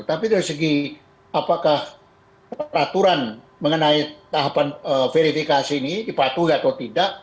tapi dari segi apakah peraturan mengenai tahapan verifikasi ini dipatuhi atau tidak